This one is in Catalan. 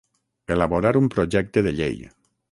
Elaborar un projecte de llei.